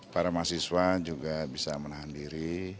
para mahasiswa juga bisa menahan diri